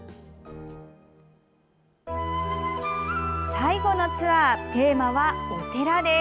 最後のツアーテーマは、お寺です。